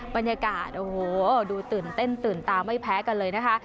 บรรยากาศโอ้โหดูตื่นเต้นตื่นตาไม่แพ้กันเลยนะคะ